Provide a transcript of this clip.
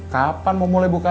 kapan mau mulai berjalan